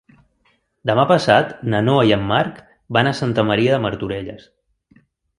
Demà passat na Noa i en Marc van a Santa Maria de Martorelles.